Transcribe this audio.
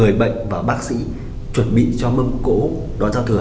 người bệnh và bác sĩ chuẩn bị cho mâm cỗ đón giao thừa